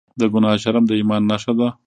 د ګناه شرم د ایمان نښه ده.